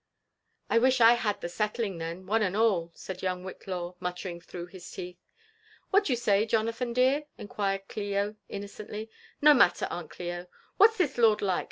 '' I wish I had the settling them, one and all," said young Whitlaw, muttering through his teeth. '< What d'ye say, Jonathan dear?" inquired Clio innocently. <*No matter. Aunt Clio. What's this lord like?